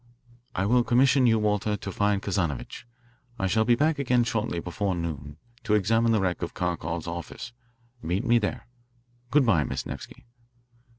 " I will commission you, Walter, to find Kazanovitch. I shall be back again shortly before noon to examine the wreck of Kharkoff's office. Meet me there. Goodbye, Miss Nevsky."